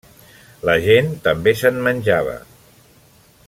La gent també se'n menjava.